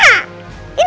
baiklah kalau begitu